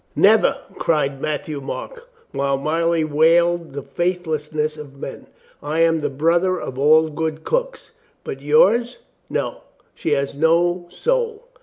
"Never!" cried Matthieu Marc, while Molly wailed the faithlessness of men. "I am the brother of all good cooks. But yours — no, she has no soul."